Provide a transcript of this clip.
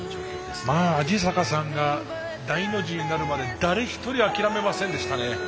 鯵坂さんが大の字になるまで誰一人諦めませんでしたね。